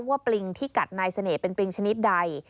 ว่าปลิงที่กัดในเสน่ห์เป็นปลิงชนิดใด